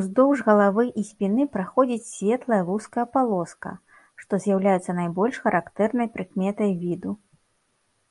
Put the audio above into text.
Уздоўж галавы і спіны праходзіць светлая вузкая палоска, што з'яўляецца найбольш характэрнай прыкметай віду.